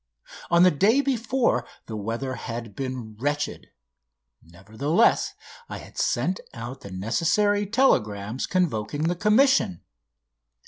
On the day before the weather had been wretched. Nevertheless, I had sent out the necessary telegrams convoking the Commission.